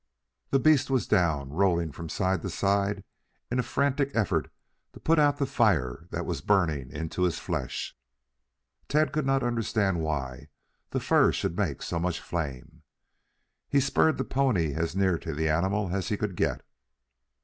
The beast was down rolling from side to side in a frantic effort to put out the fire that was burning into his flesh. Tad could not understand why the fur should make so much flame. He spurred the pony as near to the animal as he could get.